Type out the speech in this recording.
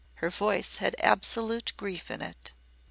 Her voice had absolute grief in it.